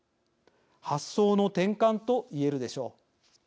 発想の転換と言えるでしょう。